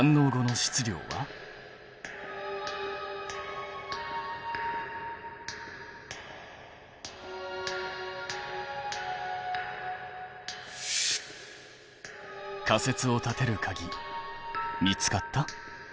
仮説を立てるかぎ見つかった？